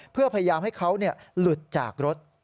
เพื่อพยายามให้เขาหลุดจากรถ